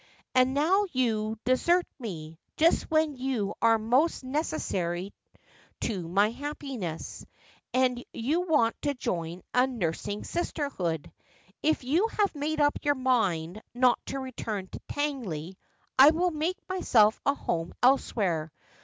And now you desert me, just when you are most necessarv to ' There teas no Thought of Fair Play then.' 333 my happiness, and you want to join a nursing sisterhood. If you have made up your mind not to return to Tangley, I will make myself a home elsewhere.